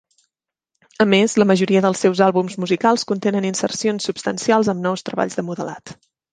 A més, la majoria dels seus àlbums musicals contenen insercions substancials amb nous treballs de modelat.